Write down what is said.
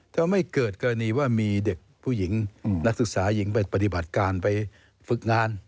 ถ้าไม่เกิดกรณีว่ามีเด็กผู้หญิงนักศึกษาหญิงไปปฏิบัติการไปฝึกงาน